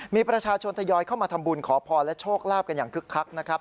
มีประชาชนทยอยเข้ามาทำบุญขอพรและโชคลาภกันอย่างคึกคักนะครับ